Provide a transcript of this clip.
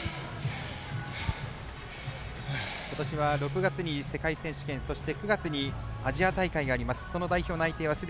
ことしは６月に世界選手権そして９月にアジア大会があります。